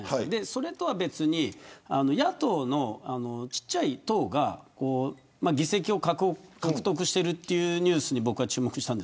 それとは別に野党のちっちゃい党が議席を獲得しているというニュースに、僕は注目しました。